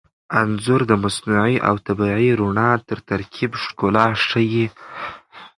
انځور د مصنوعي او طبیعي رڼا تر ترکیب ښکلا ښيي.